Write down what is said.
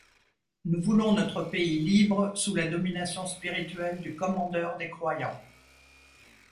Nous voulons notre pays libre sous la domination spirituelle du Commandeur des Croyants.